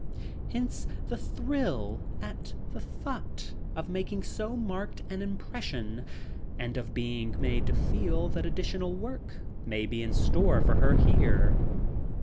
Hence the thrill at the thought of making so marked an impression and of being made to feel that additional work may be in store for her here.